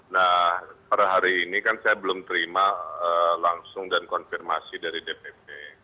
nah per hari ini kan saya belum terima langsung dan konfirmasi dari dpp